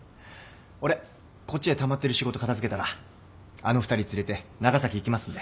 俺こっちでたまってる仕事片付けたらあの２人連れて長崎行きますんで。